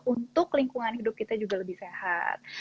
untuk lingkungan hidup kita juga lebih sehat